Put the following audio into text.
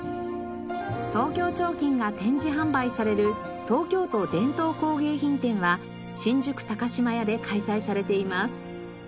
東京彫金が展示販売される東京都伝統工芸品展は新宿島屋で開催されています。